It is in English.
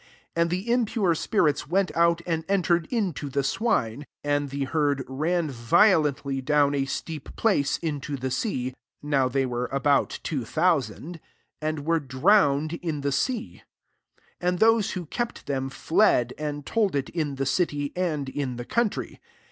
And th^ inipure spirits wqit out, and entered into the svfii^^ and the herd ran violently dova a steep place, into the ae% ([now ^hey v^ere\, about twa thousand,) and were drowned in the sea. 14 And those who kept them fled, and told it ii| the city, and in the country.